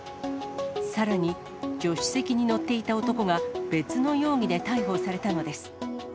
さらに、助手席に乗っていた男が、別の容疑で逮捕されたのです。